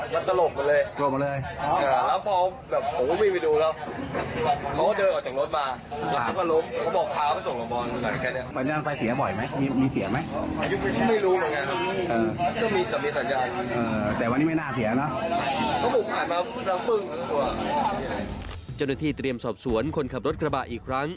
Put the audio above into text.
เจ้าหน้าที่เตรียมสอบสวนคนขับรถกระบะอีกครั้ง